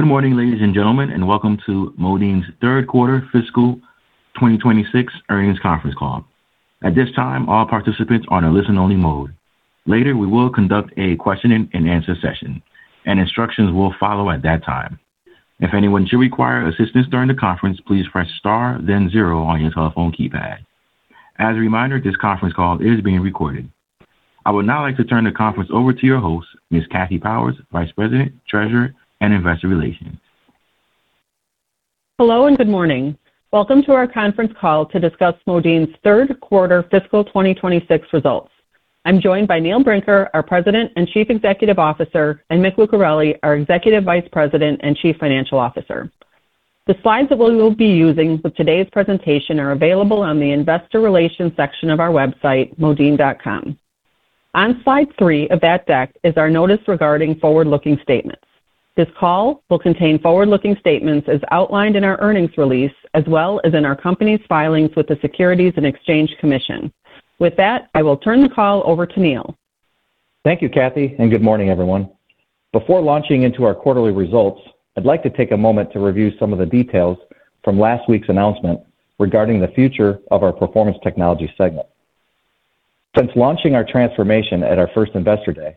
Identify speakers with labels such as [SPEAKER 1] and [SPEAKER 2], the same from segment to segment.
[SPEAKER 1] Good morning, ladies and gentlemen, and welcome to Modine's third quarter fiscal 2026 earnings conference call. At this time, all participants are in a listen-only mode. Later, we will conduct a question and answer session, and instructions will follow at that time. If anyone should require assistance during the conference, please press star then zero on your telephone keypad. As a reminder, this conference call is being recorded. I would now like to turn the conference over to your host, Ms. Kathy Powers, Vice President, Treasurer, and Investor Relations.
[SPEAKER 2] Hello, and good morning. Welcome to our conference call to discuss Modine's third quarter fiscal 2026 results. I'm joined by Neil Brinker, our President and Chief Executive Officer, and Mick Lucarelli, our Executive Vice President and Chief Financial Officer. The slides that we will be using for today's presentation are available on the Investor Relations section of our website, modine.com. On slide three of that deck is our notice regarding forward-looking statements. This call will contain forward-looking statements as outlined in our earnings release, as well as in our company's filings with the Securities and Exchange Commission. With that, I will turn the call over to Neil.
[SPEAKER 3] Thank you, Kathy, and good morning, everyone. Before launching into our quarterly results, I'd like to take a moment to review some of the details from last week's announcement regarding the future of our Performance Technologies segment. Since launching our transformation at our first Investor Day,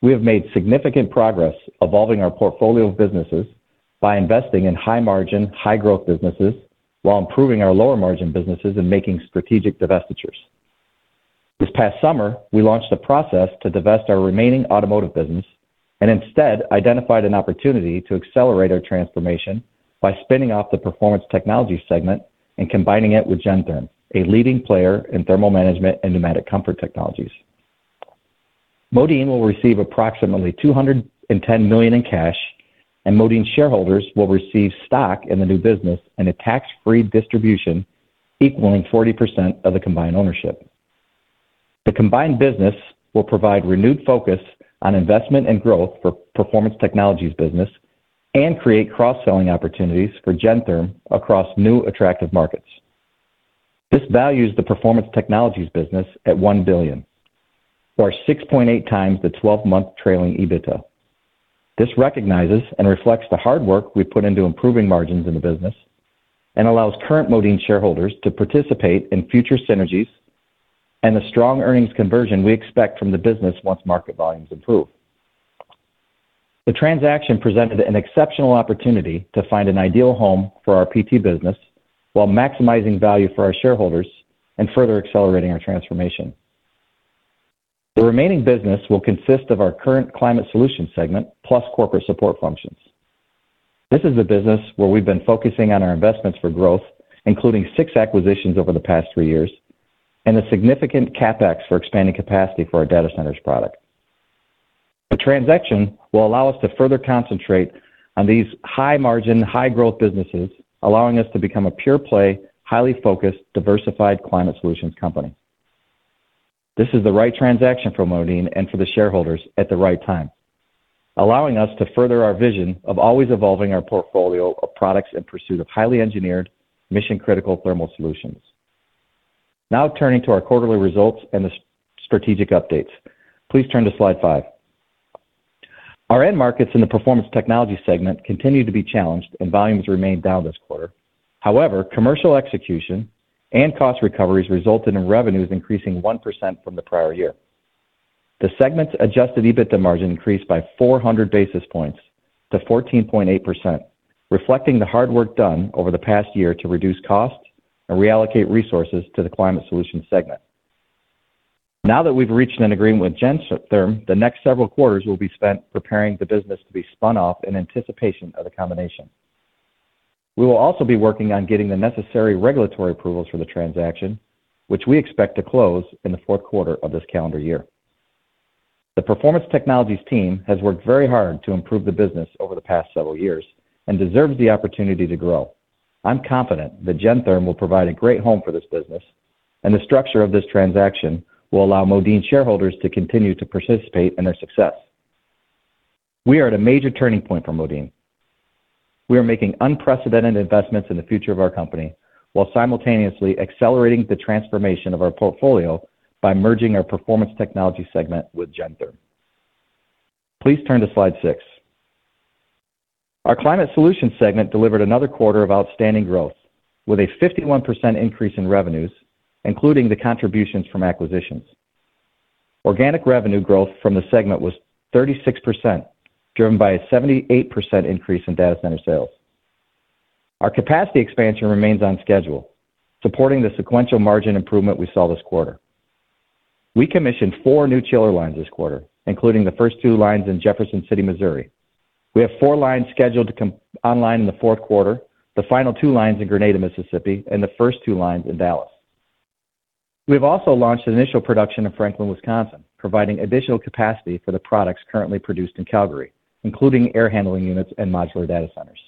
[SPEAKER 3] we have made significant progress evolving our portfolio of businesses by investing in high-margin, high-growth businesses while improving our lower-margin businesses and making strategic divestitures. This past summer, we launched a process to divest our remaining automotive business and instead identified an opportunity to accelerate our transformation by spinning off the Performance Technologies segment and combining it with Gentherm, a leading player in thermal management and pneumatic comfort technologies. Modine will receive approximately $210 million in cash, and Modine shareholders will receive stock in the new business and a tax-free distribution equaling 40% of the combined ownership. The combined business will provide renewed focus on investment and growth for Performance Technologies business and create cross-selling opportunities for Gentherm across new, attractive markets. This values the Performance Technologies business at $1 billion, or 6.8 times the 12-month trailing EBITDA. This recognizes and reflects the hard work we put into improving margins in the business and allows current Modine shareholders to participate in future synergies and the strong earnings conversion we expect from the business once market volumes improve. The transaction presented an exceptional opportunity to find an ideal home for our PT business while maximizing value for our shareholders and further accelerating our transformation. The remaining business will consist of our current Climate Solutions segment, plus corporate support functions. This is a business where we've been focusing on our investments for growth, including six acquisitions over the past three years and a significant CapEx for expanding capacity for our data centers product. The transaction will allow us to further concentrate on these high-margin, high-growth businesses, allowing us to become a pure-play, highly focused, diversified climate solutions company. This is the right transaction for Modine and for the shareholders at the right time, allowing us to further our vision of always evolving our portfolio of products in pursuit of highly engineered, mission-critical thermal solutions. Now turning to our quarterly results and the strategic updates. Please turn to slide five. Our end markets in the Performance Technologies segment continued to be challenged and volumes remained down this quarter. However, commercial execution and cost recoveries resulted in revenues increasing 1% from the prior year. The segment's adjusted EBITDA margin increased by 400 basis points to 14.8%, reflecting the hard work done over the past year to reduce costs and reallocate resources to the Climate Solutions segment. Now that we've reached an agreement with Gentherm, the next several quarters will be spent preparing the business to be spun off in anticipation of the combination. We will also be working on getting the necessary regulatory approvals for the transaction, which we expect to close in the fourth quarter of this calendar year. The Performance Technologies team has worked very hard to improve the business over the past several years and deserves the opportunity to grow. I'm confident that Gentherm will provide a great home for this business, and the structure of this transaction will allow Modine shareholders to continue to participate in their success. We are at a major turning point for Modine. We are making unprecedented investments in the future of our company, while simultaneously accelerating the transformation of our portfolio by merging our Performance Technologies segment with Gentherm. Please turn to slide six. Our Climate Solutions segment delivered another quarter of outstanding growth, with a 51% increase in revenues, including the contributions from acquisitions. Organic revenue growth from the segment was 36%, driven by a 78% increase in data center sales. Our capacity expansion remains on schedule, supporting the sequential margin improvement we saw this quarter. We commissioned four new chiller lines this quarter, including the first two lines in Jefferson City, Missouri. We have four lines scheduled to come online in the fourth quarter, the final two lines in Grenada, Mississippi, and the first two lines in Dallas. We've also launched initial production in Franklin, Wisconsin, providing additional capacity for the products currently produced in Calgary, including air handling units and modular data centers.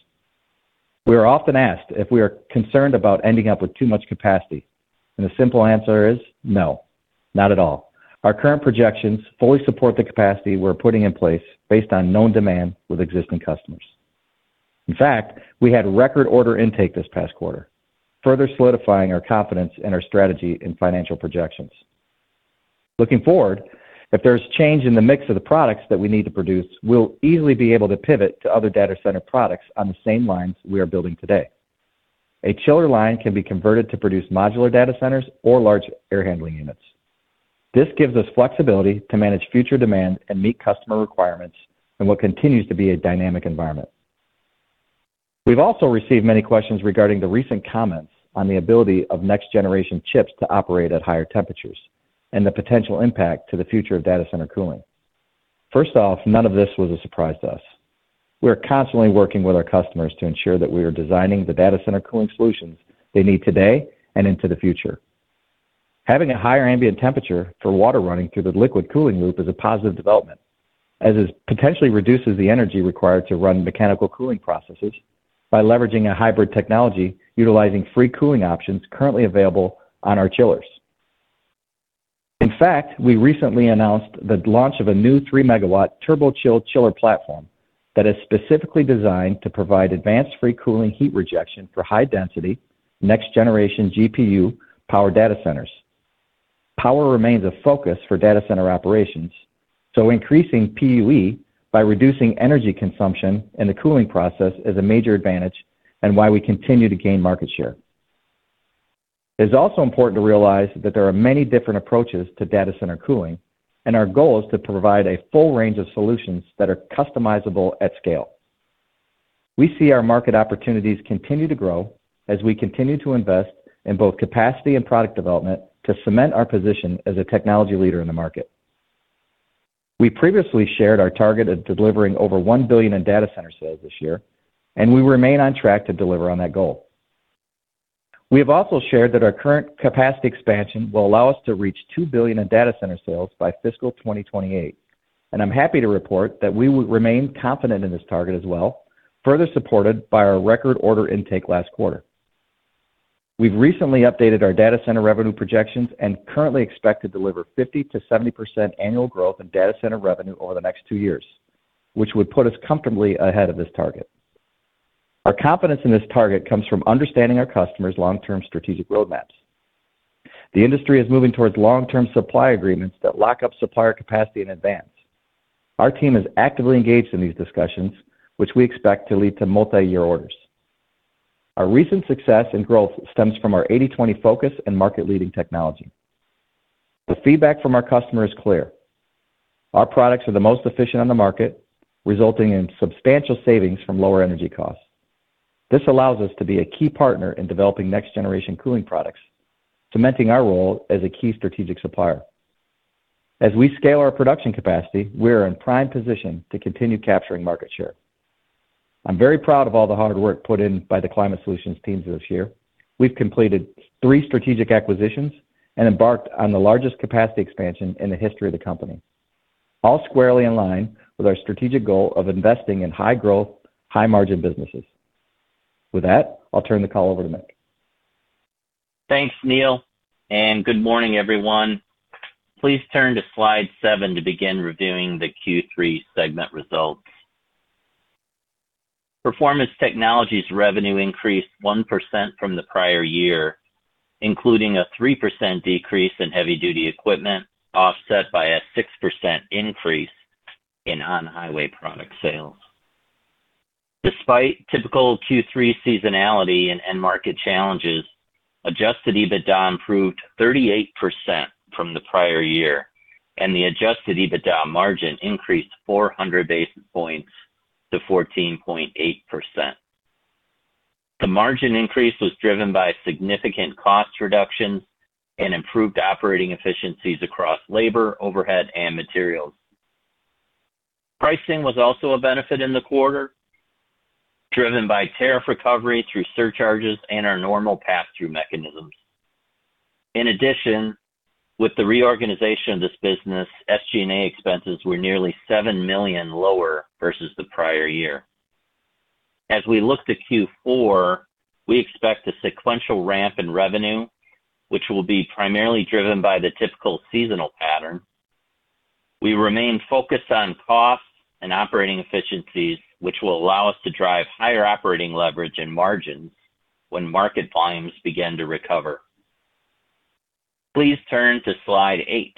[SPEAKER 3] We are often asked if we are concerned about ending up with too much capacity, and the simple answer is no, not at all. Our current projections fully support the capacity we're putting in place based on known demand with existing customers. In fact, we had record order intake this past quarter, further solidifying our confidence in our strategy and financial projections. Looking forward, if there's change in the mix of the products that we need to produce, we'll easily be able to pivot to other data center products on the same lines we are building today. A chiller line can be converted to produce modular data centers or large air handling units. This gives us flexibility to manage future demand and meet customer requirements in what continues to be a dynamic environment. We've also received many questions regarding the recent comments on the ability of next-generation chips to operate at higher temperatures, and the potential impact to the future of data center cooling. First off, none of this was a surprise to us. We are constantly working with our customers to ensure that we are designing the data center cooling solutions they need today and into the future. Having a higher ambient temperature for water running through the liquid cooling loop is a positive development, as it potentially reduces the energy required to run mechanical cooling processes by leveraging a hybrid technology, utilizing free cooling options currently available on our chillers. In fact, we recently announced the launch of a new 3-megawatt TurboChill chiller platform that is specifically designed to provide advanced free cooling heat rejection for high-density, next-generation GPU power data centers. Power remains a focus for data center operations, so increasing PUE by reducing energy consumption in the cooling process is a major advantage and why we continue to gain market share. It's also important to realize that there are many different approaches to data center cooling, and our goal is to provide a full range of solutions that are customizable at scale. We see our market opportunities continue to grow as we continue to invest in both capacity and product development to cement our position as a technology leader in the market. We previously shared our target of delivering over $1 billion in data center sales this year, and we remain on track to deliver on that goal. We have also shared that our current capacity expansion will allow us to reach $2 billion in data center sales by fiscal 2028, and I'm happy to report that we will remain confident in this target as well, further supported by our record order intake last quarter. We've recently updated our data center revenue projections and currently expect to deliver 50%-70% annual growth in data center revenue over the next two years, which would put us comfortably ahead of this target. Our confidence in this target comes from understanding our customers' long-term strategic roadmaps. The industry is moving towards long-term supply agreements that lock up supplier capacity in advance. Our team is actively engaged in these discussions, which we expect to lead to multiyear orders. Our recent success and growth stems from our 80/20 focus and market-leading technology. The feedback from our customer is clear: Our products are the most efficient on the market, resulting in substantial savings from lower energy costs. This allows us to be a key partner in developing next-generation cooling products, cementing our role as a key strategic supplier. As we scale our production capacity, we are in prime position to continue capturing market share. I'm very proud of all the hard work put in by the Climate Solutions teams this year. We've completed three strategic acquisitions and embarked on the largest capacity expansion in the history of the company, all squarely in line with our strategic goal of investing in high-growth, high-margin businesses. With that, I'll turn the call over to Mick.
[SPEAKER 4] Thanks, Neil, and good morning, everyone. Please turn to slide 7 to begin reviewing the Q3 segment results. Performance Technologies revenue increased 1% from the prior year, including a 3% decrease in heavy-duty equipment, offset by a 6% increase in on-highway product sales. Despite typical Q3 seasonality and end market challenges, adjusted EBITDA improved 38% from the prior year, and the adjusted EBITDA margin increased 400 basis points to 14.8%. The margin increase was driven by significant cost reductions and improved operating efficiencies across labor, overhead, and materials. Pricing was also a benefit in the quarter, driven by tariff recovery through surcharges and our normal pass-through mechanisms. In addition, with the reorganization of this business, SG&A expenses were nearly $7 million lower versus the prior year. As we look to Q4, we expect a sequential ramp in revenue, which will be primarily driven by the typical seasonal pattern. We remain focused on costs and operating efficiencies, which will allow us to drive higher operating leverage and margins when market volumes begin to recover. Please turn to slide 8.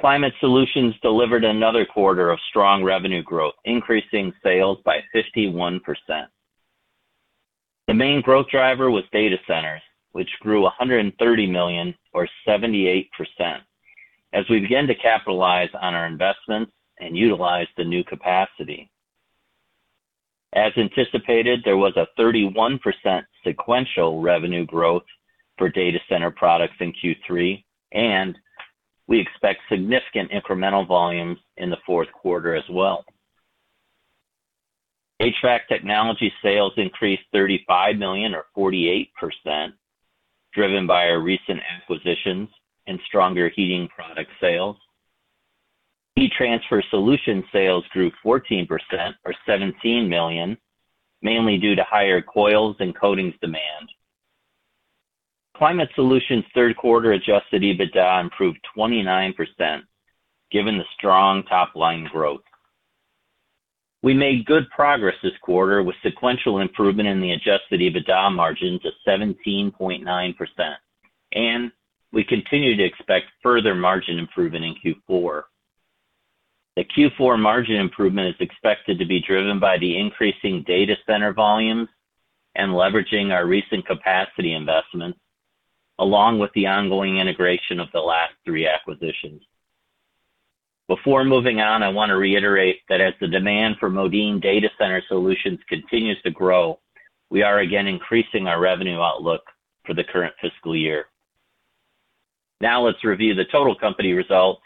[SPEAKER 4] Climate Solutions delivered another quarter of strong revenue growth, increasing sales by 51%. The main growth driver was data centers, which grew $130 million, or 78%, as we begin to capitalize on our investments and utilize the new capacity. As anticipated, there was a 31% sequential revenue growth for data center products in Q3, and we expect significant incremental volumes in the fourth quarter as well. HVAC technology sales increased $35 million or 48%, driven by our recent acquisitions and stronger heating product sales. Heat Transfer Solutions sales grew 14%, or $17 million, mainly due to higher coils and coatings demand. Climate Solutions' third quarter Adjusted EBITDA improved 29%, given the strong top-line growth. We made good progress this quarter with sequential improvement in the Adjusted EBITDA margin to 17.9%, and we continue to expect further margin improvement in Q4. The Q4 margin improvement is expected to be driven by the increasing data center volumes and leveraging our recent capacity investments, along with the ongoing integration of the last three acquisitions. Before moving on, I want to reiterate that as the demand for Modine data center solutions continues to grow, we are again increasing our revenue outlook for the current fiscal year. Now let's review the total company results.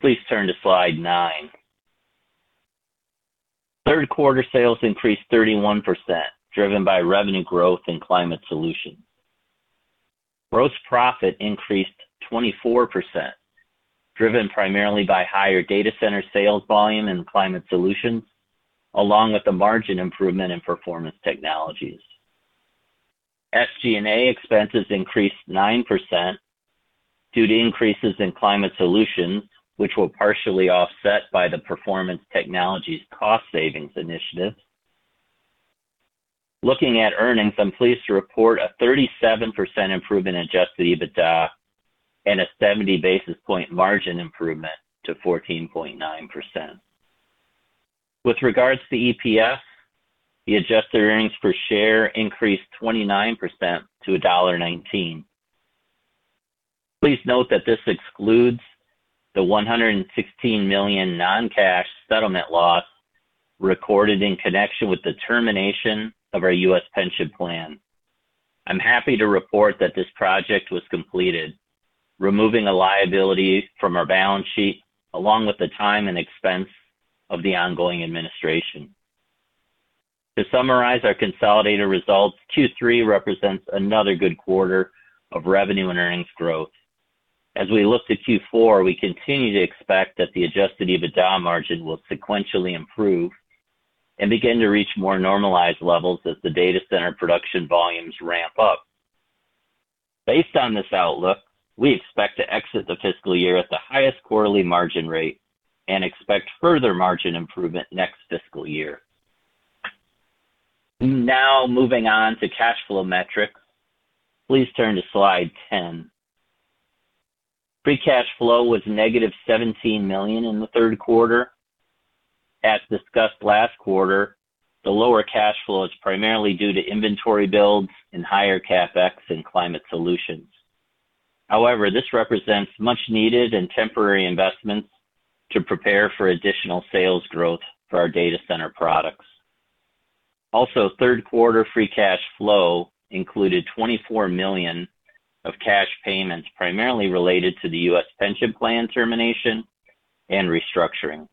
[SPEAKER 4] Please turn to slide nine. Third quarter sales increased 31%, driven by revenue growth in Climate Solutions. Gross profit increased 24%, driven primarily by higher data center sales volume and climate solutions, along with the margin improvement in performance technologies. SG&A expenses increased 9% due to increases in climate solutions, which were partially offset by the performance technologies cost savings initiatives. Looking at earnings, I'm pleased to report a 37% improvement in adjusted EBITDA and a 70 basis point margin improvement to 14.9%. With regards to EPS, the adjusted earnings per share increased 29% to $1.19. Please note that this excludes the $116 million non-cash settlement loss recorded in connection with the termination of our U.S. pension plan. I'm happy to report that this project was completed, removing a liability from our balance sheet, along with the time and expense of the ongoing administration. To summarize our consolidated results, Q3 represents another good quarter of revenue and earnings growth. As we look to Q4, we continue to expect that the Adjusted EBITDA margin will sequentially improve and begin to reach more normalized levels as the data center production volumes ramp up. Based on this outlook, we expect to exit the fiscal year at the highest quarterly margin rate and expect further margin improvement next fiscal year. Now, moving on to cash flow metrics. Please turn to slide 10. Free cash flow was negative $17 million in the third quarter. As discussed last quarter, the lower cash flow is primarily due to inventory builds and higher CapEx in climate solutions. However, this represents much needed and temporary investments to prepare for additional sales growth for our data center products. Also, third quarter free cash flow included $24 million of cash payments, primarily related to the U.S. pension plan termination and restructuring.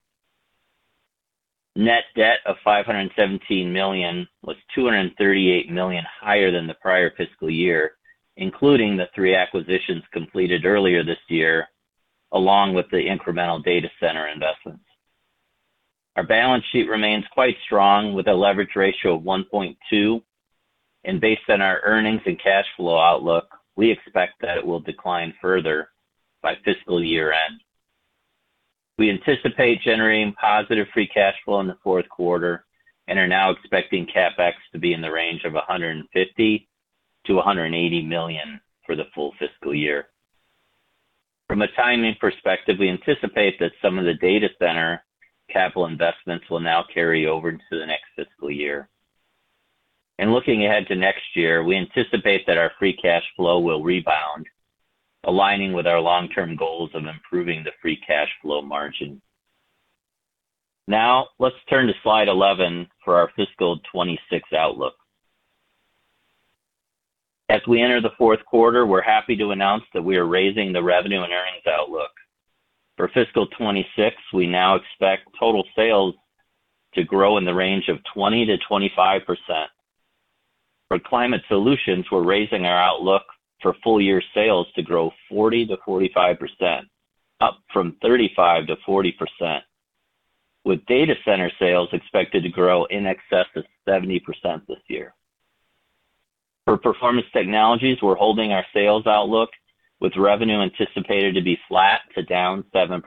[SPEAKER 4] Net debt of $517 million was $238 million higher than the prior fiscal year, including the three acquisitions completed earlier this year, along with the incremental data center investments. Our balance sheet remains quite strong, with a leverage ratio of 1.2, and based on our earnings and cash flow outlook, we expect that it will decline further by fiscal year-end. We anticipate generating positive free cash flow in the fourth quarter and are now expecting CapEx to be in the range of $150 million-$180 million for the full fiscal year. From a timing perspective, we anticipate that some of the data center capital investments will now carry over into the next fiscal year. Looking ahead to next year, we anticipate that our free cash flow will rebound, aligning with our long-term goals of improving the free cash flow margin. Now, let's turn to slide 11 for our fiscal 2026 outlook. As we enter the fourth quarter, we're happy to announce that we are raising the revenue and earnings outlook. For fiscal 2026, we now expect total sales to grow in the range of 20%-25%. For Climate Solutions, we're raising our outlook for full year sales to grow 40%-45%, up from 35%-40%, with data center sales expected to grow in excess of 70% this year. For Performance Technologies, we're holding our sales outlook, with revenue anticipated to be flat to down 7%.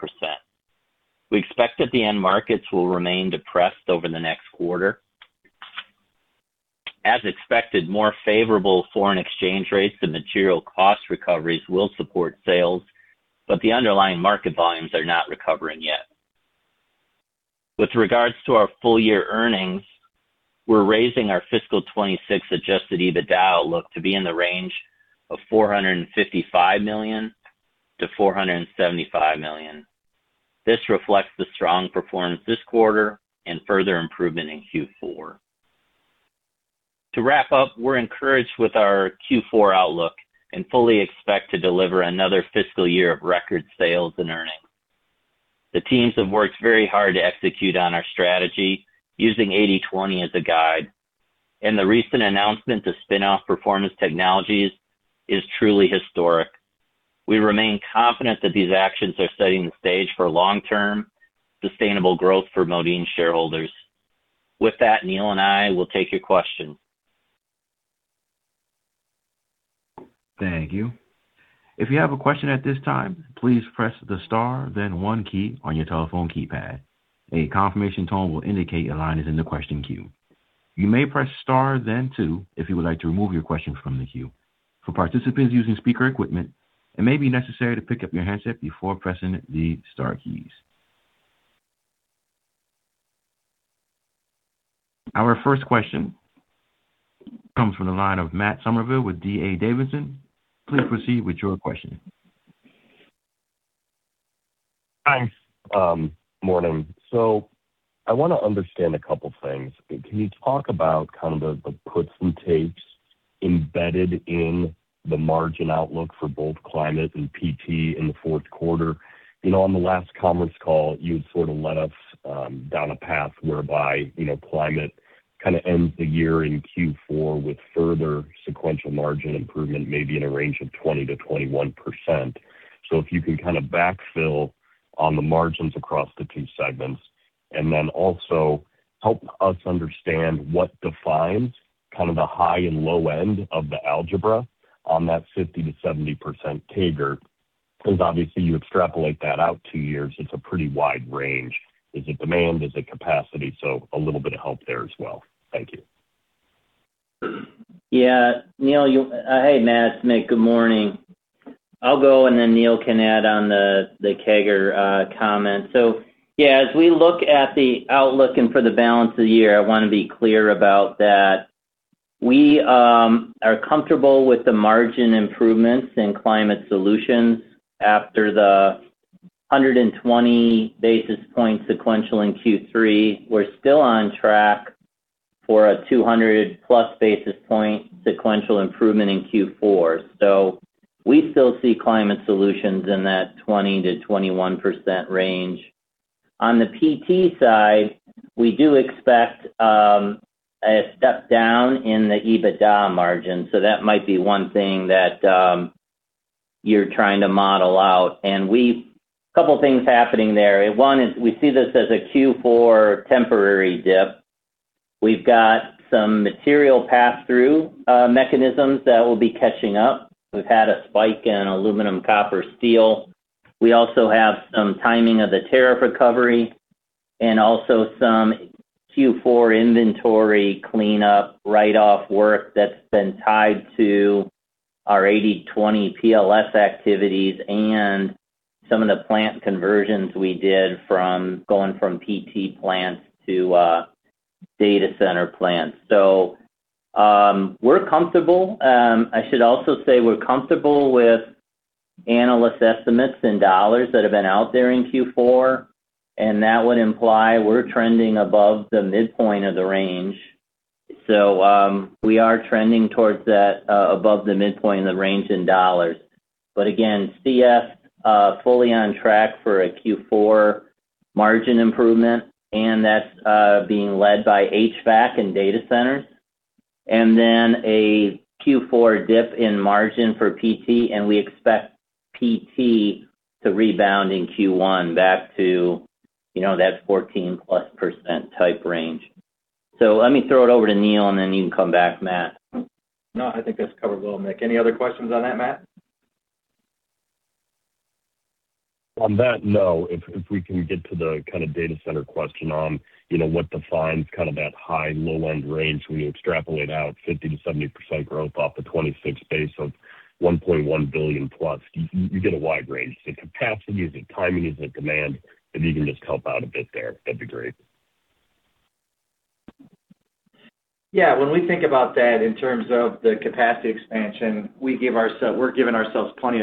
[SPEAKER 4] We expect that the end markets will remain depressed over the next quarter. As expected, more favorable foreign exchange rates and material cost recoveries will support sales, but the underlying market volumes are not recovering yet. With regards to our full year earnings, we're raising our fiscal 2026 Adjusted EBITDA outlook to be in the range of $455 million-$475 million. This reflects the strong performance this quarter and further improvement in Q4. To wrap up, we're encouraged with our Q4 outlook and fully expect to deliver another fiscal year of record sales and earnings. The teams have worked very hard to execute on our strategy, using 80/20 as a guide, and the recent announcement to spin off performance technologies is truly historic. We remain confident that these actions are setting the stage for long-term, sustainable growth for Modine shareholders. With that, Neil and I will take your questions. ...
[SPEAKER 1] Thank you. If you have a question at this time, please press the star, then one key on your telephone keypad. A confirmation tone will indicate your line is in the question queue. You may press star then two, if you would like to remove your question from the queue. For participants using speaker equipment, it may be necessary to pick up your handset before pressing the star keys. Our first question comes from the line of Matt Summerville with D.A. Davidson. Please proceed with your question.
[SPEAKER 5] Hi, morning. So I wanna understand a couple things. Can you talk about kind of the puts and takes embedded in the margin outlook for both climate and PT in the fourth quarter? You know, on the last conference call, you sort of led us down a path whereby, you know, climate kinda ends the year in Q4 with further sequential margin improvement, maybe in a range of 20%-21%. So if you can kind of backfill on the margins across the two segments, and then also help us understand what defines kind of the high and low end of the algebra on that 50%-70% CAGR. Because obviously, you extrapolate that out two years, it's a pretty wide range. Is it demand? Is it capacity? So a little bit of help there as well. Thank you.
[SPEAKER 4] Yeah, Neil, you, hey, Matt, Mick, good morning. I'll go, and then Neil can add on the CAGR comment. So, yeah, as we look at the outlook and for the balance of the year, I wanna be clear about that. We are comfortable with the margin improvements in Climate Solutions after the 120 basis points sequential in Q3. We're still on track for a 200+ basis point sequential improvement in Q4. So we still see Climate Solutions in that 20%-21% range. On the PT side, we do expect a step down in the EBITDA margin, so that might be one thing that you're trying to model out. And we couple things happening there. One is we see this as a Q4 temporary dip. We've got some material pass-through mechanisms that will be catching up. We've had a spike in aluminum, copper, steel. We also have some timing of the tariff recovery and also some Q4 inventory cleanup, write-off work that's been tied to our 80/20 PLS activities and some of the plant conversions we did from going from PT plants to data center plants. So, we're comfortable. I should also say we're comfortable with analyst estimates in dollars that have been out there in Q4, and that would imply we're trending above the midpoint of the range. So, we are trending towards that, above the midpoint in the range in dollars. But again, CS, fully on track for a Q4 margin improvement, and that's, being led by HVAC and data centers, and then a Q4 dip in margin for PT, and we expect PT to rebound in Q1 back to, you know, that 14 plus percent type range. So let me throw it over to Neil, and then you can come back, Matt.
[SPEAKER 3] No, I think that's covered well, Nick. Any other questions on that, Matt?
[SPEAKER 5] On that, no. If we can get to the kind of data center question on, you know, what defines kind of that high, low end range when you extrapolate out 50%-70% growth off a 2026 base of $1.1 billion plus, you get a wide range. Is it capacity? Is it timing? Is it demand? If you can just help out a bit there, that'd be great.
[SPEAKER 3] Yeah, when we think about that in terms of the capacity expansion, we're giving ourselves plenty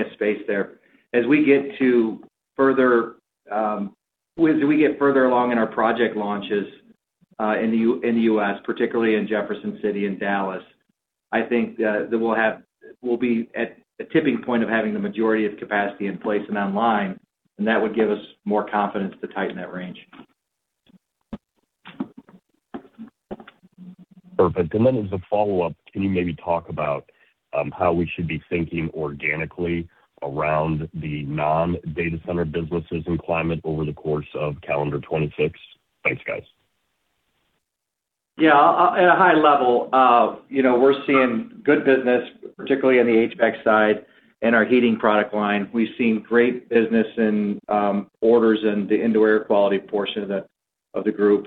[SPEAKER 3] of space there. As we get further along in our project launches, in the US, particularly in Jefferson City and Dallas, I think that we'll be at a tipping point of having the majority of capacity in place and online, and that would give us more confidence to tighten that range.
[SPEAKER 5] Perfect. And then as a follow-up, can you maybe talk about how we should be thinking organically around the non-data center businesses and climate over the course of calendar 2026? Thanks, guys.
[SPEAKER 3] Yeah, at a high level, you know, we're seeing good business, particularly in the HVAC side and our heating product line. We've seen great business in orders in the indoor air quality portion of the group.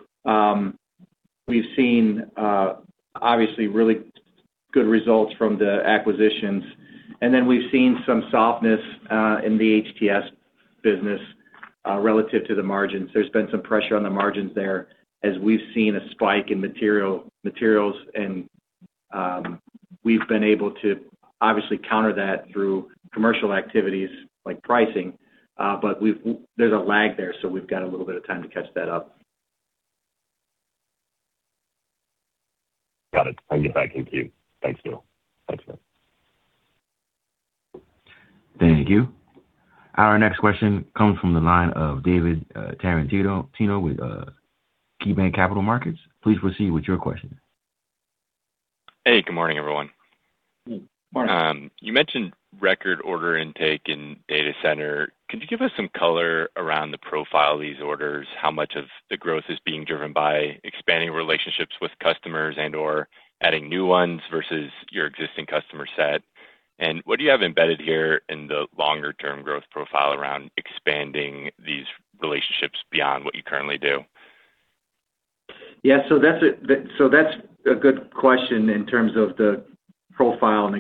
[SPEAKER 3] We've seen, obviously, really good results from the acquisitions, and then we've seen some softness in the HTS business relative to the margins. There's been some pressure on the margins there as we've seen a spike in material, materials, and we've been able to obviously counter that through commercial activities like pricing, but there's a lag there, so we've got a little bit of time to catch that up.
[SPEAKER 5] Got it. Thank you. Thank you. Thanks, Neil. Thanks, Matt.
[SPEAKER 1] Thank you. Our next question comes from the line of David Tarantino with KeyBanc Capital Markets. Please proceed with your question.
[SPEAKER 6] Hey, good morning, everyone.
[SPEAKER 3] Good morning.
[SPEAKER 6] You mentioned record order intake in data center. Could you give us some color around the profile of these orders? How much of the growth is being driven by expanding relationships with customers and/or adding new ones versus your existing customer set?... And what do you have embedded here in the longer term growth profile around expanding these relationships beyond what you currently do?
[SPEAKER 3] Yeah, so that's a good question in terms of the profile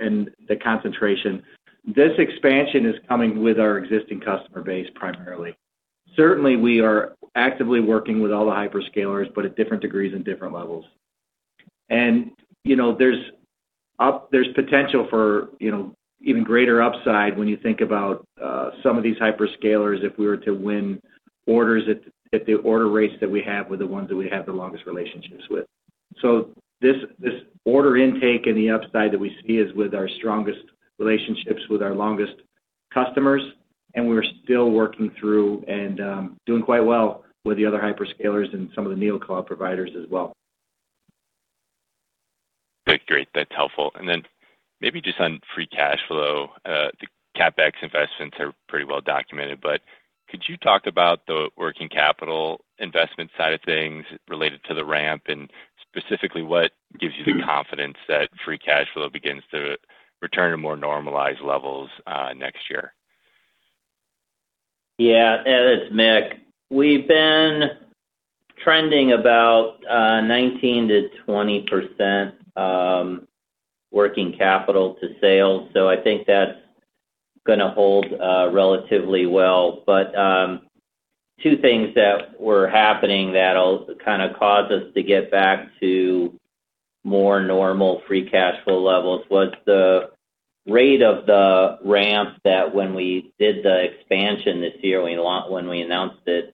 [SPEAKER 3] and the concentration. This expansion is coming with our existing customer base, primarily. Certainly, we are actively working with all the hyperscalers, but at different degrees and different levels. And, you know, there's potential for, you know, even greater upside when you think about some of these hyperscalers, if we were to win orders at the order rates that we have with the ones that we have the longest relationships with. So this order intake and the upside that we see is with our strongest relationships, with our longest customers, and we're still working through and doing quite well with the other hyperscalers and some of the Neo Cloud providers as well.
[SPEAKER 6] Great, great. That's helpful. And then maybe just on free cash flow, the CapEx investments are pretty well documented, but could you talk about the working capital investment side of things related to the ramp? And specifically, what gives you the confidence that free cash flow begins to return to more normalized levels, next year?
[SPEAKER 4] Yeah, it's Mick. We've been trending about 19%-20% working capital to sales, so I think that's gonna hold relatively well. But two things that were happening that'll kind of cause us to get back to more normal free cash flow levels was the rate of the ramp, that when we did the expansion this year, when we announced it,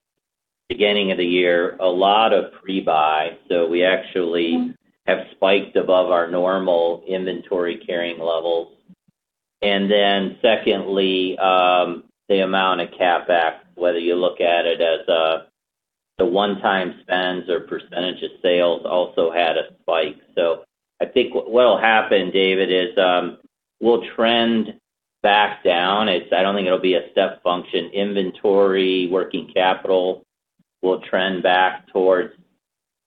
[SPEAKER 4] beginning of the year, a lot of pre-buy. So we actually have spiked above our normal inventory carrying levels. And then secondly, the amount of CapEx, whether you look at it as the one-time spends or percentage of sales, also had a spike. So I think what will happen, David, is we'll trend back down. It's. I don't think it'll be a step function. Inventory, working capital will trend back towards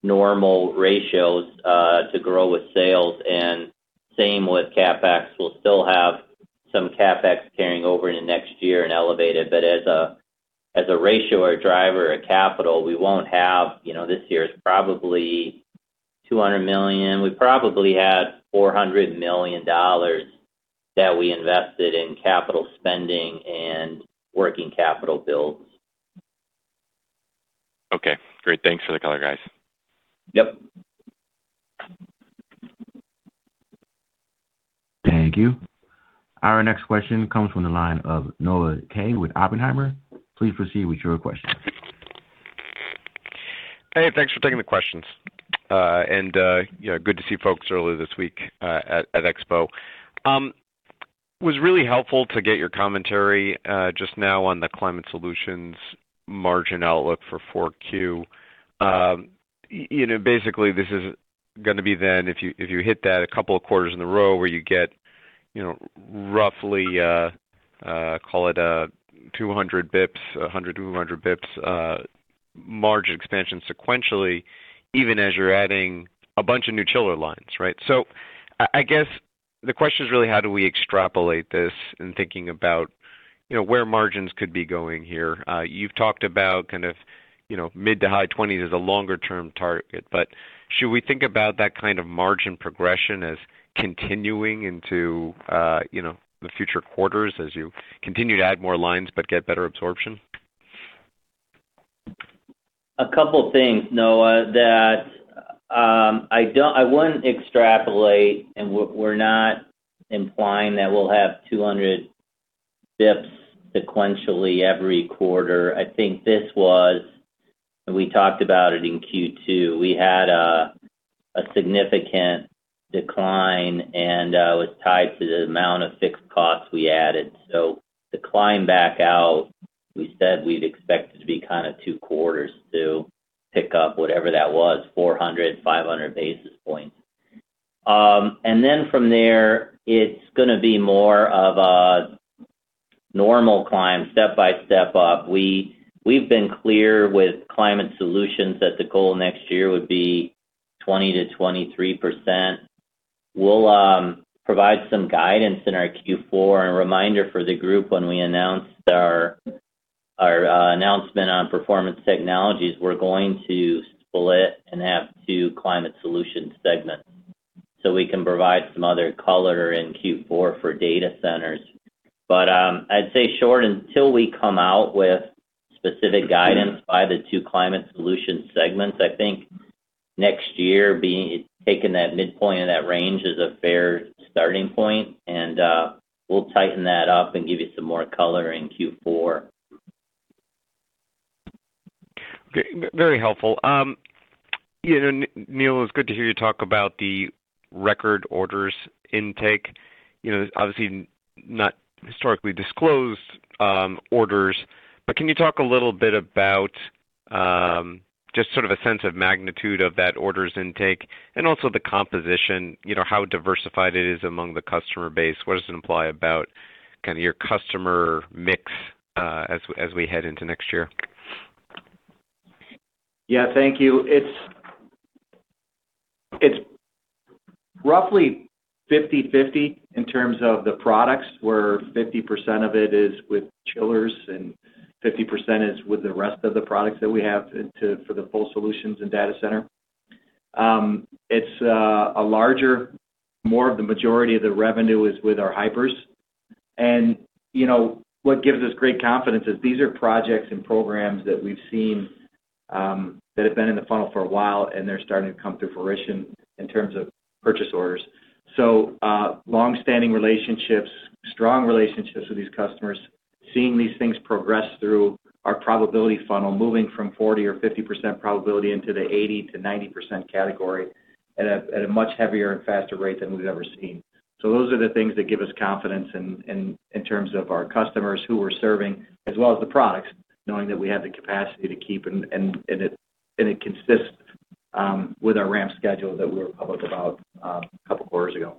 [SPEAKER 4] normal ratios, to grow with sales, and same with CapEx. We'll still have some CapEx carrying over into next year and elevated, but as a, as a ratio or driver of capital, we won't have... You know, this year is probably $200 million. We probably had $400 million that we invested in capital spending and working capital builds.
[SPEAKER 6] Okay, great. Thanks for the color, guys.
[SPEAKER 4] Yep.
[SPEAKER 1] Thank you. Our next question comes from the line of Noah Kaye with Oppenheimer. Please proceed with your question.
[SPEAKER 7] Hey, thanks for taking the questions. And, you know, good to see folks earlier this week at Expo. Was really helpful to get your commentary just now on the climate solutions margin outlook for 4Q. You know, basically, this is gonna be then if you hit that a couple of quarters in a row where you get, you know, roughly, call it, 200 bips, 100-200 bips, margin expansion sequentially, even as you're adding a bunch of new chiller lines, right? So I guess, the question is really, how do we extrapolate this in thinking about, you know, where margins could be going here? You've talked about kind of, you know, mid- to high-20s as a longer-term target, but should we think about that kind of margin progression as continuing into, you know, the future quarters as you continue to add more lines but get better absorption?
[SPEAKER 4] A couple things, Noah, that I wouldn't extrapolate, and we're not implying that we'll have 200 basis points sequentially every quarter. I think this was, and we talked about it in Q2, we had a significant decline, and it was tied to the amount of fixed costs we added. So the climb back out, we said we'd expect it to be kind of two quarters to pick up whatever that was, 400-500 basis points. And then from there, it's gonna be more of a normal climb, step by step up. We've been clear with Climate Solutions that the goal next year would be 20%-23%. We'll provide some guidance in our Q4. Reminder for the group, when we announced our announcement on performance technologies, we're going to split and have two climate solution segments, so we can provide some other color in Q4 for data centers. But, I'd say short, until we come out with specific guidance by the two climate solution segments, I think next year being, taking that midpoint of that range is a fair starting point, and, we'll tighten that up and give you some more color in Q4.
[SPEAKER 7] Okay, very helpful. You know, Neil, it was good to hear you talk about the record orders intake. You know, obviously, not historically disclosed orders, but can you talk a little bit about just sort of a sense of magnitude of that orders intake and also the composition, you know, how diversified it is among the customer base? What does it imply about kind of your customer mix, as we head into next year?...
[SPEAKER 3] Yeah, thank you. It's, it's roughly 50/50 in terms of the products, where 50% of it is with chillers and 50% is with the rest of the products that we have for the full solutions in data center. It's a larger, more of the majority of the revenue is with our hypers. And, you know, what gives us great confidence is these are projects and programs that we've seen, that have been in the funnel for a while, and they're starting to come to fruition in terms of purchase orders. So, long-standing relationships, strong relationships with these customers, seeing these things progress through our probability funnel, moving from 40 or 50% probability into the 80%-90% category at a, at a much heavier and faster rate than we've ever seen. So those are the things that give us confidence in terms of our customers who we're serving, as well as the products, knowing that we have the capacity to keep and it is consistent with our ramp schedule that we were public about a couple of quarters ago.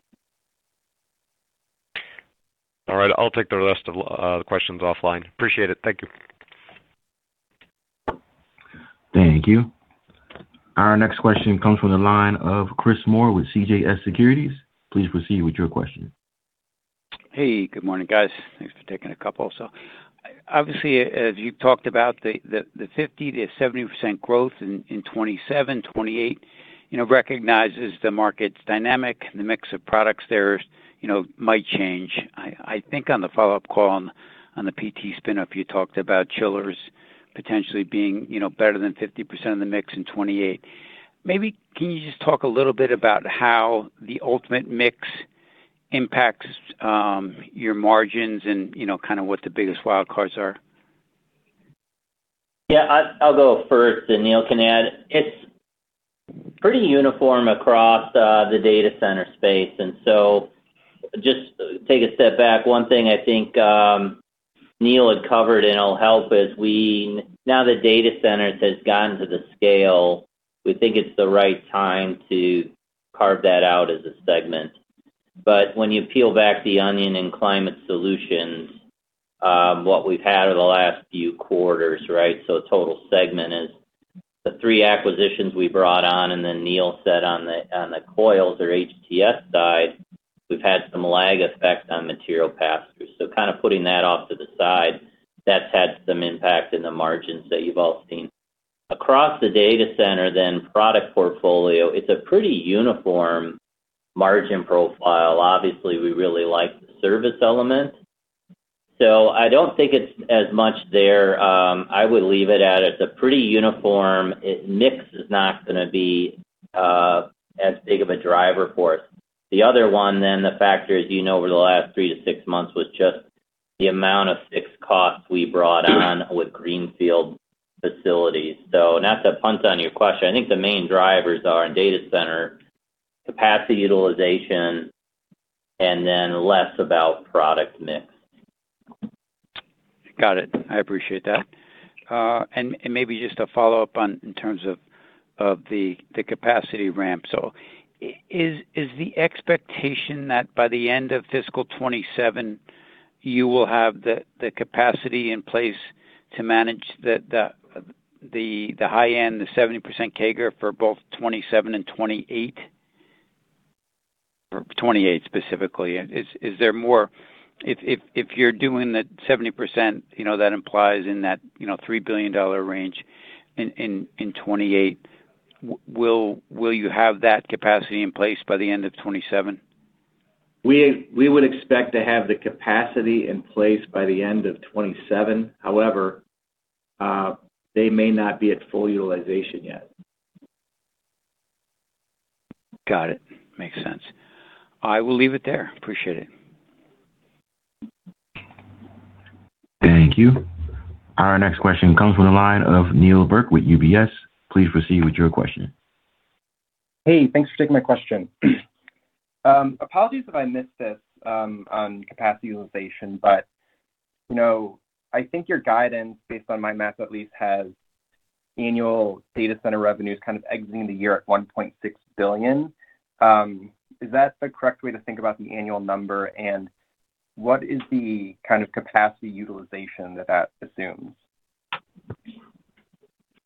[SPEAKER 7] All right. I'll take the rest of the questions offline. Appreciate it. Thank you.
[SPEAKER 1] Thank you. Our next question comes from the line of Chris Moore with CJS Securities. Please proceed with your question.
[SPEAKER 8] Hey, good morning, guys. Thanks for taking a couple. So obviously, as you've talked about, the 50%-70% growth in 2027, 2028, you know, recognizes the market's dynamic, the mix of products there, you know, might change. I think on the follow-up call on the PT spin-off, you talked about chillers potentially being, you know, better than 50% of the mix in 2028. Maybe can you just talk a little bit about how the ultimate mix impacts your margins and, you know, kind of what the biggest wild cards are?
[SPEAKER 4] Yeah, I'll go first, then Neil can add. It's pretty uniform across the data center space, and so just take a step back. One thing I think Neil had covered, and I'll help, is we now the data centers has gotten to the scale, we think it's the right time to carve that out as a segment. But when you peel back the onion and climate solutions, what we've had over the last few quarters, right? So total segment is the three acquisitions we brought on, and then Neil said on the, on the coils or HTS side, we've had some lag effects on material pass-through. So kind of putting that off to the side, that's had some impact in the margins that you've all seen. Across the data center, then product portfolio, it's a pretty uniform margin profile. Obviously, we really like the service element, so I don't think it's as much there. I would leave it at, it's a pretty uniform mix is not going to be as big of a driver for us. The other one, then the factor, as you know, over the last three to six months, was just the amount of fixed costs we brought on with greenfield facilities. So not to punt on your question, I think the main drivers are in data center, capacity utilization, and then less about product mix.
[SPEAKER 8] Got it. I appreciate that. And maybe just a follow-up on, in terms of, the capacity ramp. So is the expectation that by the end of fiscal 2027, you will have the capacity in place to manage the high end, the 70% CAGR for both 2027 and 2028? Or 2028 specifically. Is there more - If you're doing that 70%, you know, that implies in that, you know, $3 billion range in 2028. Will you have that capacity in place by the end of 2027?
[SPEAKER 3] We would expect to have the capacity in place by the end of 2027. However, they may not be at full utilization yet.
[SPEAKER 8] Got it. Makes sense. I will leave it there. Appreciate it.
[SPEAKER 1] Thank you. Our next question comes from the line of Neal Burk with UBS. Please proceed with your question.
[SPEAKER 9] Hey, thanks for taking my question. Apologies if I missed this, on capacity utilization, but, you know, I think your guidance, based on my math, at least, has annual data center revenues kind of exiting the year at $1.6 billion. Is that the correct way to think about the annual number? And what is the kind of capacity utilization that that assumes?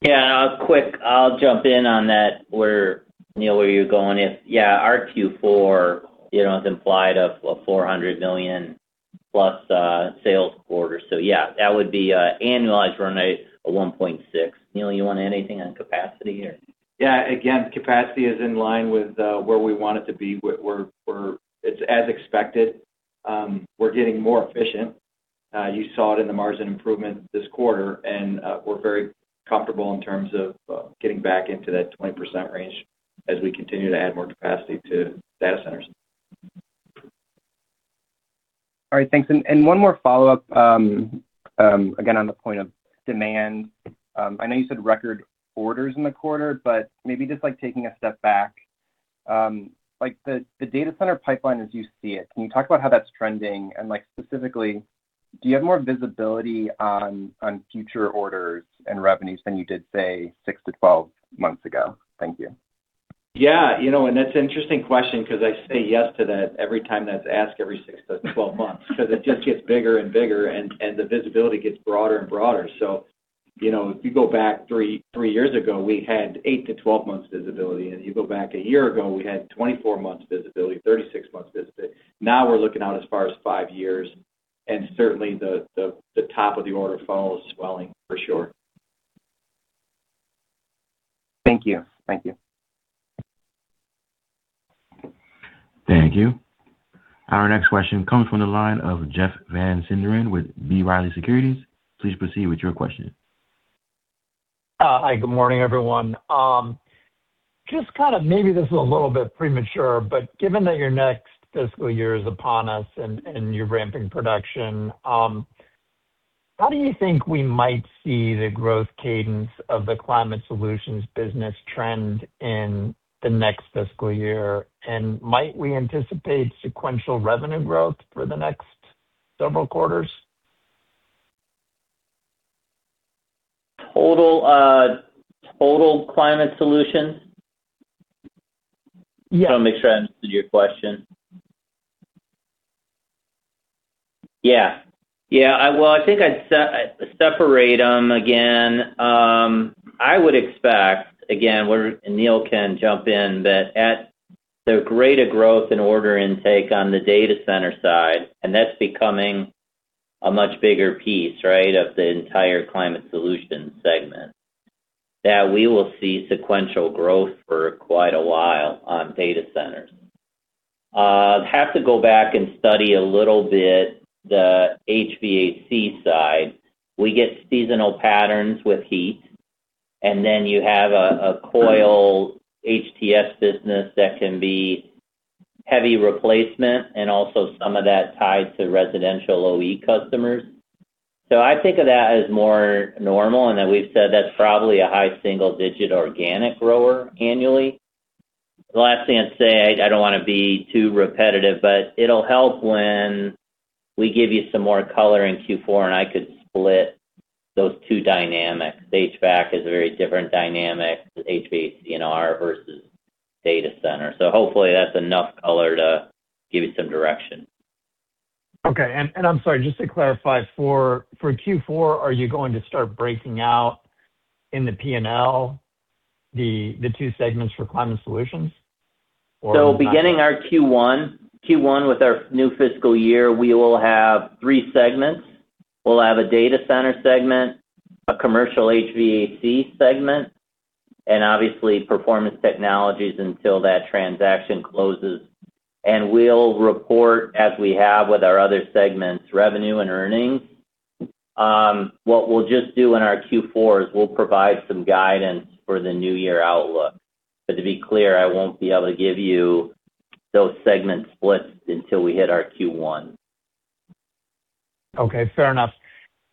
[SPEAKER 4] Yeah, quick, I'll jump in on that, where, Neal, where you're going. If... Yeah, our Q4, you know, is implied of a $400 million-plus sales quarter. So yeah, that would be, annualized run rate of $1.6 billion. Neal, you want to add anything on capacity here?
[SPEAKER 3] Yeah. Again, capacity is in line with where we want it to be. We're getting more efficient. You saw it in the margin improvement this quarter, and we're very comfortable in terms of getting back into that 20% range as we continue to add more capacity to data centers.
[SPEAKER 9] All right, thanks. And one more follow-up, again, on the point of demand. I know you said record orders in the quarter, but maybe just like taking a step back, like, the data center pipeline as you see it, can you talk about how that's trending? And, like, specifically, do you have more visibility on future orders and revenues than you did, say, six to twelve months ago? Thank you.
[SPEAKER 3] ...Yeah, you know, and that's an interesting question, 'cause I say yes to that every time that's asked every 6-12 months. So it just gets bigger and bigger, and the visibility gets broader and broader. So, you know, if you go back three years ago, we had 8-12 months visibility, and you go back a year ago, we had 24 months visibility, 36 months visibility. Now we're looking out as far as five years, and certainly the top of the order funnel is swelling for sure.
[SPEAKER 9] Thank you.
[SPEAKER 3] Thank you.
[SPEAKER 1] Thank you. Our next question comes from the line of Jeff Van Sinderen with B. Riley Securities. Please proceed with your question.
[SPEAKER 10] Hi, good morning, everyone. Just kind of maybe this is a little bit premature, but given that your next fiscal year is upon us and, and you're ramping production, how do you think we might see the growth cadence of the Climate Solutions business trend in the next fiscal year? And might we anticipate sequential revenue growth for the next several quarters?
[SPEAKER 4] Total, total climate solutions?
[SPEAKER 10] Yeah.
[SPEAKER 4] I wanna make sure I understood your question. Yeah. Yeah, well, I think I'd separate them again. I would expect, again, and Neil can jump in, that at the greater growth in order intake on the data center side, and that's becoming a much bigger piece, right, of the entire climate solutions segment, that we will see sequential growth for quite a while on data centers. I'd have to go back and study a little bit the HVAC side. We get seasonal patterns with heat, and then you have a coil HTS business that can be heavy replacement and also some of that tied to residential OE customers. So I think of that as more normal, and then we've said that's probably a high single-digit organic grower annually. The last thing I'd say, I don't wanna be too repetitive, but it'll help when we give you some more color in Q4, and I could split those two dynamics. HVAC is a very different dynamic, HVAC/R versus data center. So hopefully, that's enough color to give you some direction.
[SPEAKER 10] Okay. I'm sorry, just to clarify, for Q4, are you going to start breaking out in the P&L, the two segments for Climate Solutions or-
[SPEAKER 4] So beginning our Q1 with our new fiscal year, we will have three segments. We'll have a data center segment, a commercial HVAC segment, and obviously, performance technologies until that transaction closes. And we'll report, as we have with our other segments, revenue and earnings. What we'll just do in our Q4 is we'll provide some guidance for the new year outlook. But to be clear, I won't be able to give you those segment splits until we hit our Q1.
[SPEAKER 10] Okay, fair enough.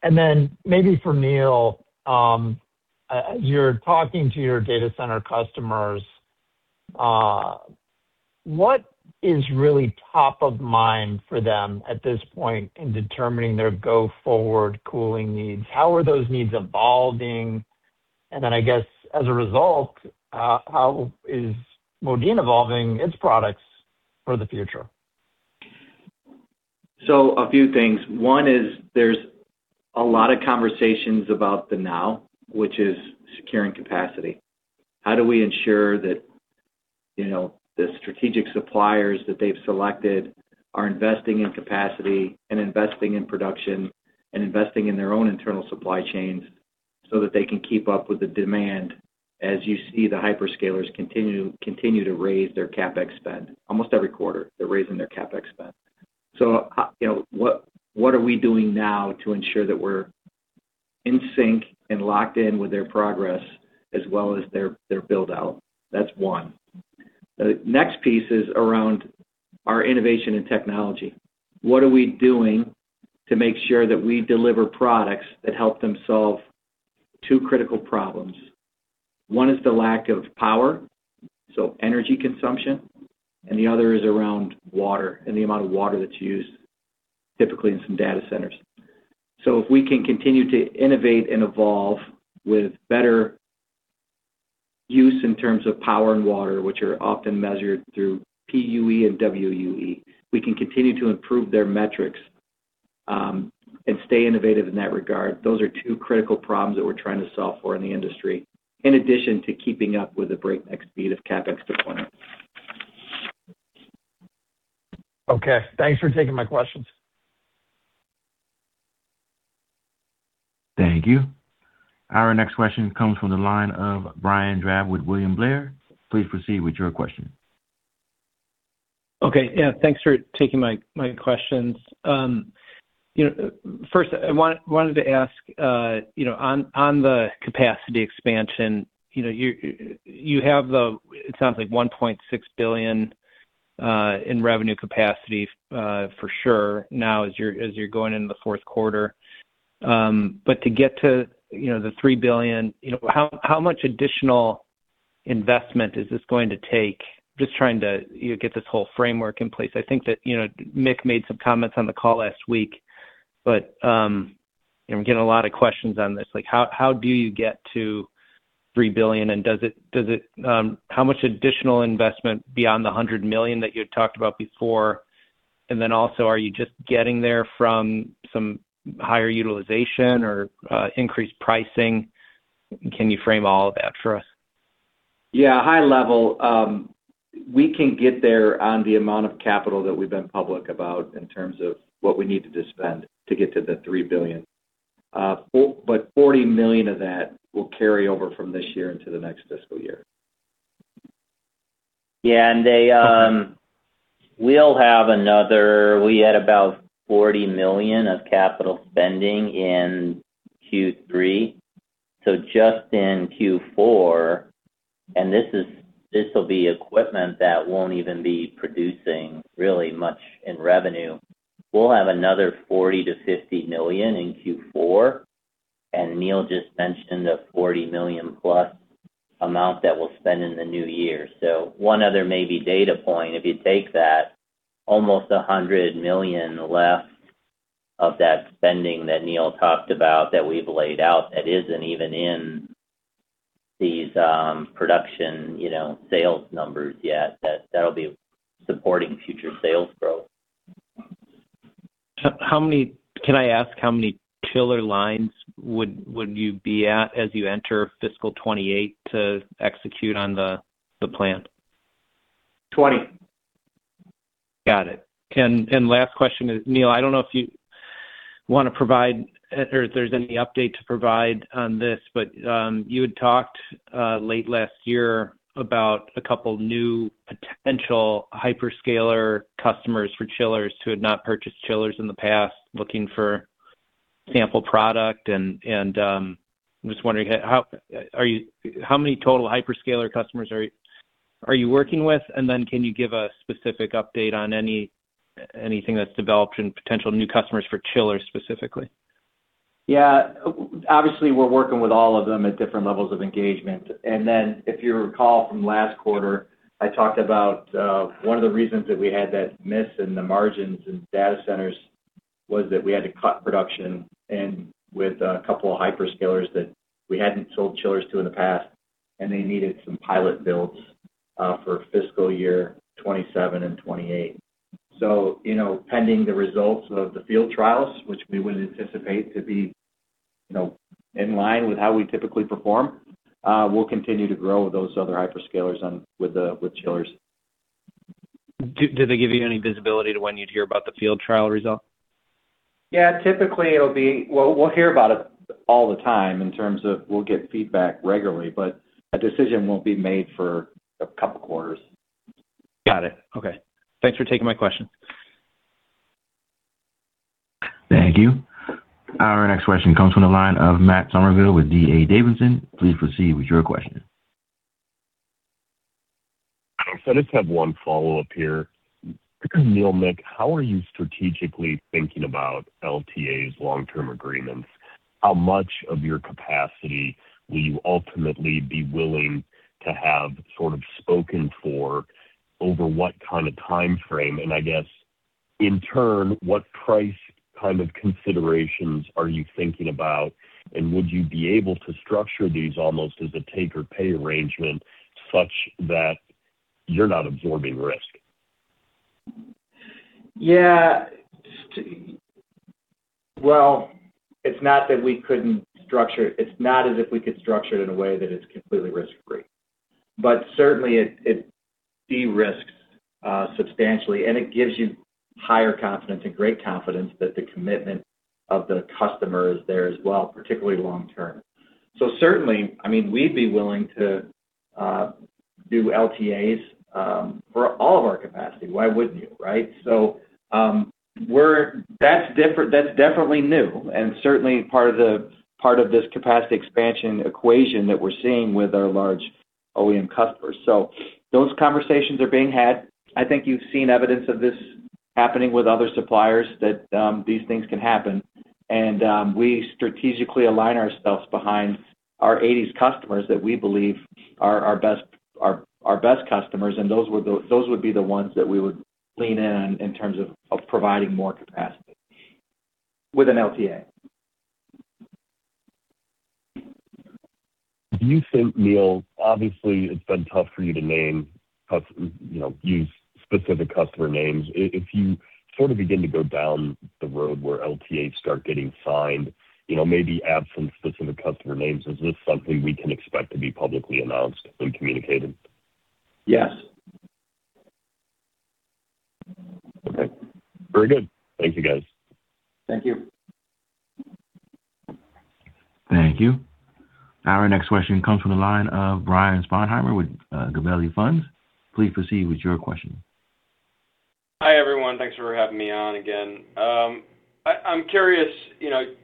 [SPEAKER 10] And then maybe for Neil, as you're talking to your data center customers, what is really top of mind for them at this point in determining their go-forward cooling needs? How are those needs evolving? And then, I guess, as a result, how is Modine evolving its products for the future?
[SPEAKER 3] So a few things. One is there's a lot of conversations about the now, which is securing capacity. How do we ensure that, you know, the strategic suppliers that they've selected are investing in capacity and investing in production and investing in their own internal supply chains so that they can keep up with the demand, as you see the hyperscalers continue, continue to raise their CapEx spend? Almost every quarter, they're raising their CapEx spend. So how— you know, what, what are we doing now to ensure that we're in sync and locked in with their progress as well as their, their build-out? That's one. The next piece is around our innovation and technology. What are we doing to make sure that we deliver products that help them solve two critical problems? One is the lack of power, so energy consumption, and the other is around water and the amount of water that's used typically in some data centers. So if we can continue to innovate and evolve with better use in terms of power and water, which are often measured through PUE and WUE, we can continue to improve their metrics, and stay innovative in that regard. Those are two critical problems that we're trying to solve for in the industry, in addition to keeping up with the breakneck speed of CapEx deployment.
[SPEAKER 10] Okay. Thanks for taking my questions.
[SPEAKER 1] Thank you. Our next question comes from the line of Brian Drab with William Blair. Please proceed with your question.
[SPEAKER 11] Okay. Yeah, thanks for taking my questions. You know, first, I wanted to ask, you know, on the capacity expansion, you know, you have the... it sounds like $1.6 billion in revenue capacity for sure now as you're going into the fourth quarter. But to get to, you know, the $3 billion, you know, how much additional investment is this going to take? Just trying to, you know, get this whole framework in place. I think that, you know, Mick made some comments on the call last week, but... I'm getting a lot of questions on this. Like, how do you get to $3 billion? And how much additional investment beyond the $100 million that you had talked about before? And then also, are you just getting there from some higher utilization or increased pricing? Can you frame all of that for us?
[SPEAKER 3] Yeah, high level, we can get there on the amount of capital that we've been public about in terms of what we need to spend to get to the $3 billion. But $40 million of that will carry over from this year into the next fiscal year.
[SPEAKER 4] Yeah, and they, we'll have another—we had about $40 million of capital spending in Q3, so just in Q4, and this is—this will be equipment that won't even be producing really much in revenue. We'll have another $40 million-$50 million in Q4, and Neil just mentioned the $40 million+ amount that we'll spend in the new year. So one other maybe data point, if you take that, almost $100 million left of that spending that Neil talked about, that we've laid out, that isn't even in these, production, you know, sales numbers yet, that, that'll be supporting future sales growth.
[SPEAKER 11] How many? Can I ask how many chiller lines would you be at as you enter fiscal 2028 to execute on the plan?
[SPEAKER 3] Twenty.
[SPEAKER 11] Got it. And last question is, Neil, I don't know if you want to provide or if there's any update to provide on this, but you had talked late last year about a couple new potential hyperscaler customers for chillers who had not purchased chillers in the past, looking for sample product and I'm just wondering: how many total hyperscaler customers are you working with? And then can you give a specific update on anything that's developed and potential new customers for chiller, specifically?
[SPEAKER 3] Yeah. Obviously, we're working with all of them at different levels of engagement. And then, if you recall from last quarter, I talked about, one of the reasons that we had that miss in the margins and data centers was that we had to cut production, and with a couple of hyperscalers that we hadn't sold chillers to in the past, and they needed some pilot builds, for fiscal year 2027 and 2028. So, you know, pending the results of the field trials, which we would anticipate to be, you know, in line with how we typically perform, we'll continue to grow those other hyperscalers on with the, with chillers.
[SPEAKER 11] Do they give you any visibility to when you'd hear about the field trial results?
[SPEAKER 3] Yeah, typically, it'll be... Well, we'll hear about it all the time in terms of we'll get feedback regularly, but a decision won't be made for a couple quarters.
[SPEAKER 11] Got it. Okay. Thanks for taking my question.
[SPEAKER 1] Thank you. Our next question comes from the line of Matt Summerville with D.A. Davidson. Please proceed with your question.
[SPEAKER 5] So I just have one follow-up here. Neil, Mick, how are you strategically thinking about LTAs long-term agreements? How much of your capacity will you ultimately be willing to have sort of spoken for over what kind of time frame? And I guess, in turn, what price kind of considerations are you thinking about, and would you be able to structure these almost as a take or pay arrangement such that you're not absorbing risk?
[SPEAKER 3] Yeah. Well, it's not that we couldn't structure it. It's not as if we could structure it in a way that is completely risk-free, but certainly, it de-risks substantially, and it gives you higher confidence and great confidence that the commitment of the customer is there as well, particularly long term. So certainly, I mean, we'd be willing to do LTAs for all of our capacity. Why wouldn't you, right? So, we're-- that's different-- that's definitely new and certainly part of this capacity expansion equation that we're seeing with our large OEM customers. So those conversations are being had. I think you've seen evidence of this happening with other suppliers, that these things can happen, and we strategically align ourselves behind our eighties customers that we believe are our best, our best customers, and those would be the ones that we would lean in in terms of providing more capacity with an LTA.
[SPEAKER 5] Do you think, Neil, obviously, it's been tough for you to name—you know, use specific customer names. If you sort of begin to go down the road where LTAs start getting signed, you know, maybe absent specific customer names, is this something we can expect to be publicly announced and communicated?
[SPEAKER 3] Yes.
[SPEAKER 5] Okay, very good. Thank you, guys.
[SPEAKER 3] Thank you.
[SPEAKER 1] Thank you. Our next question comes from the line of Brian Sponheimer with Gabelli Funds. Please proceed with your question.
[SPEAKER 12] Hi, everyone. Thanks for having me on again. I'm curious, you know,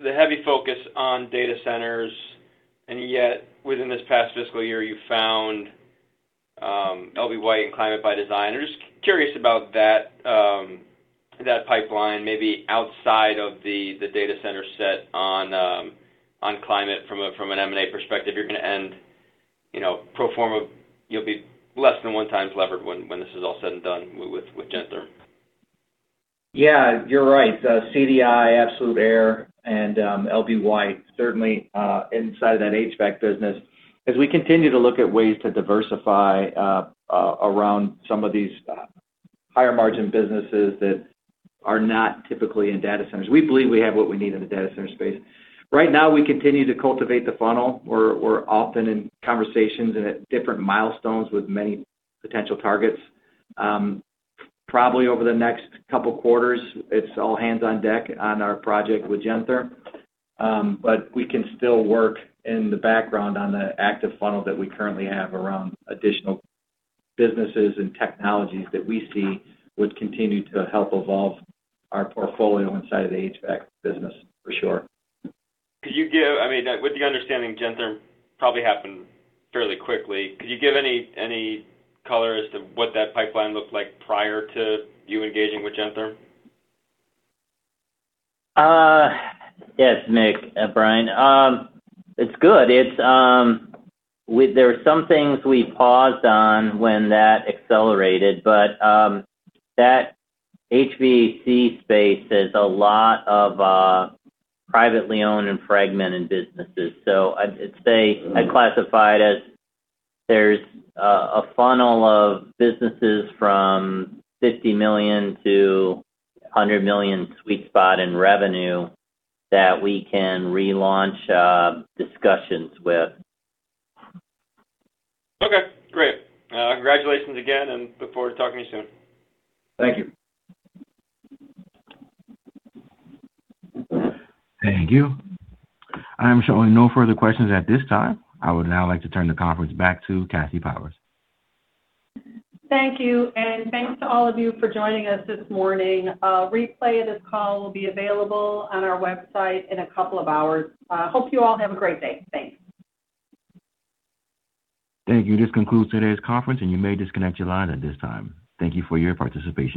[SPEAKER 12] the heavy focus on data centers, and yet within this past fiscal year, you found L.B. White and Climate by Design. I'm just curious about that, that pipeline, maybe outside of the data center set on....on climate from an M&A perspective, you're gonna end, you know, pro forma, you'll be less than 1x levered when this is all said and done with Gentherm.
[SPEAKER 3] Yeah, you're right. CDI, AbsolutAire, and L.B. White, certainly, inside of that HVAC business. As we continue to look at ways to diversify, around some of these, higher margin businesses that are not typically in data centers, we believe we have what we need in the data center space. Right now, we continue to cultivate the funnel. We're often in conversations and at different milestones with many potential targets. Probably over the next couple of quarters, it's all hands on deck on our project with Gentherm. But we can still work in the background on the active funnel that we currently have around additional businesses and technologies that we see would continue to help evolve our portfolio inside of the HVAC business, for sure.
[SPEAKER 12] Could you give, I mean, with the understanding, Gentherm probably happened fairly quickly. Could you give any color as to what that pipeline looked like prior to you engaging with Gentherm?
[SPEAKER 4] Yes, Nick, Brian. It's good. It's there are some things we paused on when that accelerated, but that HVAC space is a lot of privately owned and fragmented businesses. So I'd say I classify it as there's a funnel of businesses from $50 million-$100 million sweet spot in revenue that we can relaunch discussions with.
[SPEAKER 12] Okay, great. Congratulations again, and look forward to talking to you soon.
[SPEAKER 3] Thank you.
[SPEAKER 1] Thank you. I'm showing no further questions at this time. I would now like to turn the conference back to Kathy Powers.
[SPEAKER 2] Thank you, and thanks to all of you for joining us this morning. A replay of this call will be available on our website in a couple of hours. Hope you all have a great day. Thanks.
[SPEAKER 1] Thank you. This concludes today's conference, and you may disconnect your line at this time. Thank you for your participation.